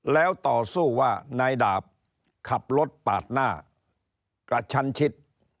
แล้วต่อสู้ว่านายดาบขับรถปาดหน้ากระชั้นชิด